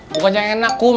bukannya enak kum